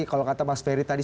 kalau kata mas ferry tadi